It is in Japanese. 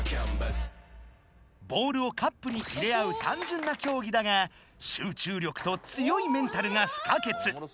ボールをカップに入れ合うたんじゅんなきょうぎだが集中力と強いメンタルが不可欠。